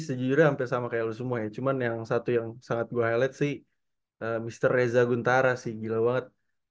sejujurnya hampir sama kayak lu semua ya cuman yang satu yang sangat gue highlight sih mister reza guntara sih gila banget